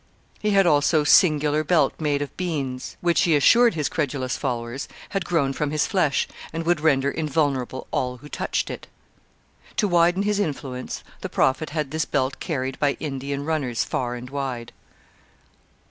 He had also singular belt made of beans, which he assured his credulous followers had grown from his flesh and would render invulnerable all who touched it. To widen his influence the Prophet had this belt carried by Indian runners far and wide.